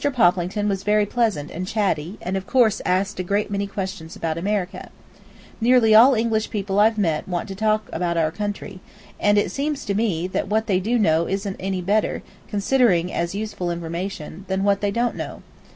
Poplington was very pleasant and chatty, and of course asked a great many questions about America. Nearly all English people I've met want to talk about our country, and it seems to me that what they do know about it isn't any better, considered as useful information, than what they don't know.